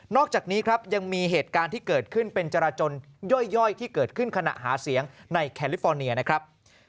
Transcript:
อกจากนี้ครับยังมีเหตุการณ์ที่เกิดขึ้นเป็นจราจนย่อยที่เกิดขึ้นขณะหาเสียงในแคลิฟอร์เนียนะครับ